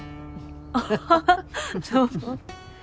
アハハどうも。